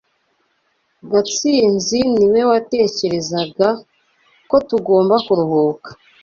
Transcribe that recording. Gatsinzi niwe watekerezaga ko tugomba kuruhuka.